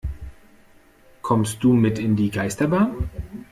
Kommst du mit in die Geisterbahn?